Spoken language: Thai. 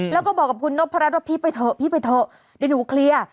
แล้วก็บอกกับคุณนพรัชว่าพี่ไปเถอะพี่ไปเถอะเดี๋ยวหนูเคลียร์